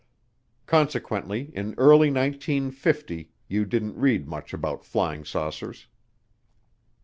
Consequently in early 1950 you didn't read much about flying saucers.